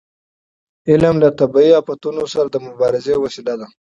علم له طبیعي افتونو سره د مبارزې وسیله ده.